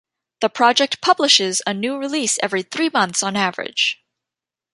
The project publishes a new release every three months on average.